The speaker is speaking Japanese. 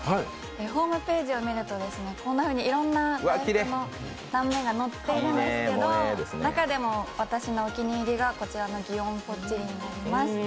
ホームページを見るとこんなふうにいろんな断面が載っているんですけど中でも私のお気に入りがこちらの祇園ぽっちりになります。